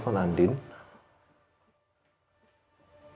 kemarin kamu waktu telepon andin